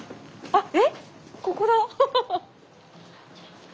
あっえっ？